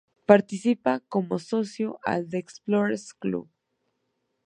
Participa como socio al "The Explorers Club".